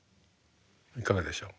いかがでしょう？